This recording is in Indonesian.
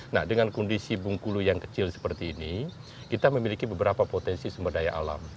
nah dengan kondisi bungkulu yang kecil seperti ini kita memiliki beberapa potensi sumber daya alam